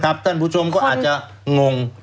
ท่านผู้ชมก็อาจจะงง